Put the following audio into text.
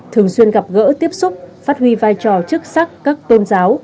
thường xuyên gặp gỡ tiếp xúc phát huy vai trò chức sắc các tôn giáo